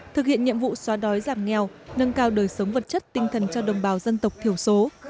thực hiện nhiệm vụ xóa đói giảm nghèo nâng cao đời sống vật chất tinh thần cho đồng bào dân tộc thiểu số